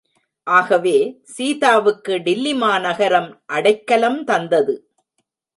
ஆகவே சீதாவுக்கு டில்லிமாநகரம் அடைக்கலம் தந்தது!